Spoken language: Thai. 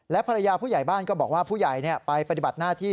ภรรยาผู้ใหญ่บ้านก็บอกว่าผู้ใหญ่ไปปฏิบัติหน้าที่